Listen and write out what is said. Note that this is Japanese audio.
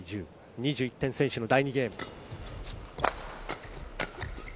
２１点先取の第２ゲーム。